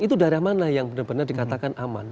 itu daerah mana yang benar benar dikatakan aman